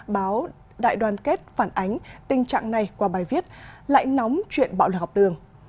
báo đại đoàn kết phản ánh tình trạng này qua bài viết lại nóng chuyện bạo lực học đường